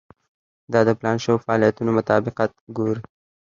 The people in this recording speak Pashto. دا د پلان شوو فعالیتونو مطابقت ګوري.